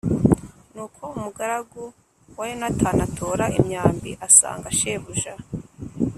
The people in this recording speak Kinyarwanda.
Nuko umugaragu wa Yonatani atora imyambi asanga shebuja.